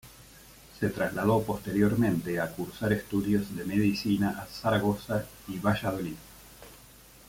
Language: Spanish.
Se trasladó posteriormente a cursar estudios de medicina a Zaragoza y Valladolid.